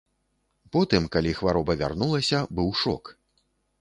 Потым, калі хвароба вярнулася, быў шок.